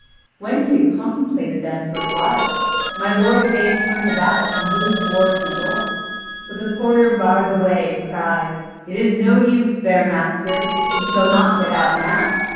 When he had contemplated them for a while, my lord Yvain turned about and moved toward the door; but the porter barred the way, and cried: "It is no use, fair master; you shall not get out now.